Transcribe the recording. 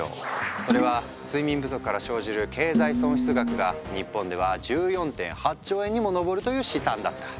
それは睡眠不足から生じる経済損失額が日本では１４．８兆円にも上るという試算だった。